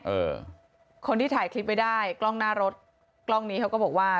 เออคนที่ถ่ายคลิปไว้ได้กล้องหน้ารถกล้องนี้เขาก็บอกว่า